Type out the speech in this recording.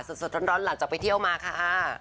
สดร้อนหลังจากไปเที่ยวมาค่ะ